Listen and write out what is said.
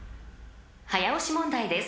［早押し問題です］